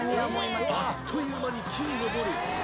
あっという間に木に登る。